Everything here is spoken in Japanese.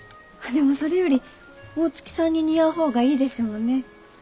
あっでもそれより大月さんに似合う方がいいですもんね。